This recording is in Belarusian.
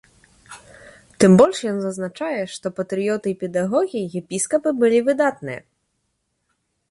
Тым больш ён зазначае, што патрыёты і педагогі епіскапы былі выдатныя.